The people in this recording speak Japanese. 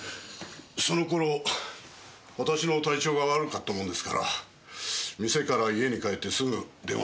その頃私の体調が悪かったもんですから店から家に帰ってすぐ電話をくれたんです。